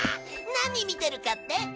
何見てるかって？